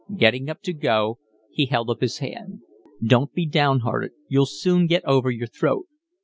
Getting up to go, he held out his hand. "Don't be downhearted, you'll soon get over your throat."